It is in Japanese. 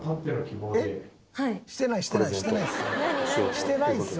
してないですよ。